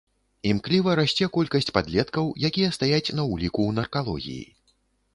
Імкліва расце колькасць падлеткаў, якія стаяць на ўліку ў наркалогіі.